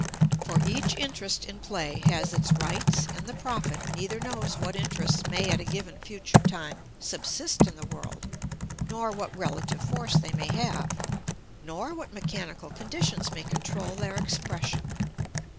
For each interest in play has its rights and the prophet neither knows what interests may at a given future time subsist in the world, nor what relative force they may have, nor what mechanical conditions may control their expression.